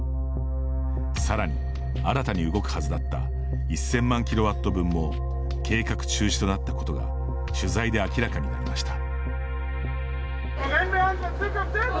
さらに新たに動くはずだった１０００万ｋＷ分も計画中止となったことが取材で明らかになりました。